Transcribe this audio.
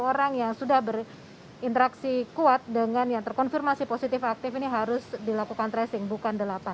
jadi dua puluh orang yang sudah berinteraksi kuat dengan yang terkonfirmasi positif aktif ini harus dilakukan tracing bukan delapan